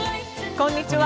こんにちは。